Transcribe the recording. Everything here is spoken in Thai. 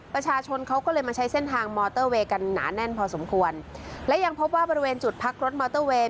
ประชาชนเขาก็เลยมาใช้เส้นทางมอเตอร์เวย์กันหนาแน่นพอสมควรและยังพบว่าบริเวณจุดพักรถมอเตอร์เวย์